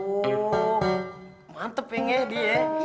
oh mantep ya enggak dia